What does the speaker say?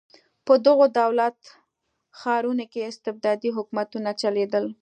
په دغو دولت ښارونو کې استبدادي حکومتونه چلېدل.